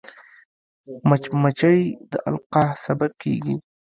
مچمچۍ د القاح سبب کېږي